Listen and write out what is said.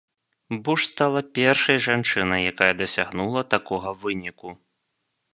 Буш стала першай жанчынай, якая дасягнула такога выніку.